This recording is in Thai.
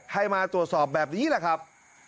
ให้มาตรวจสอบแบบนี้แหละครับ